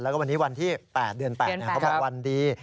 แล้วก็วันนี้วันที่๘เดือน๘เขาบอกวันดี